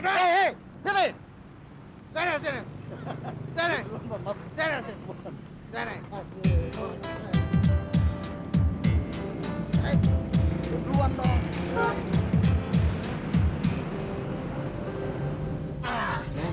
disini sampai masuk